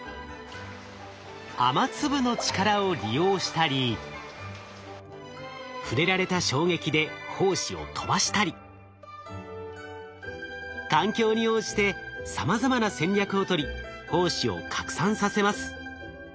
雨粒の力を利用したり触れられた衝撃で胞子を飛ばしたり環境に応じてさまざまな戦略をとり胞子を拡散させます。